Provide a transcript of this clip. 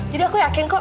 jadi aku yakin kok